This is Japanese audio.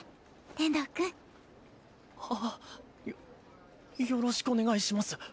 天道君あっよよろしくお願いします